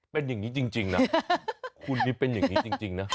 เป็นอย่างนี้จริงนะคุณนี่เป็นอย่างนี้จริงนะ